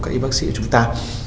các y bác sĩ của chúng ta